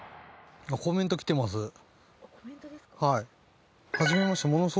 コメント来てます。